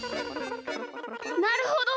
なるほど！